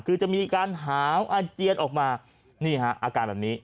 คือจะมีการหาวอาเจียนออกมานี่ฮะอาการแบบนี้